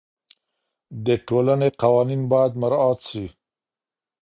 د ټولني قوانین باید مراعات سي.